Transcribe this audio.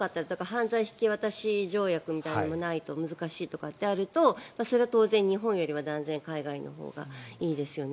犯罪人引渡し条約みたいなものがないと難しいとかってあると当然、日本よりは断然海外のほうがいいですよね。